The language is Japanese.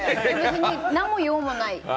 何も用もない。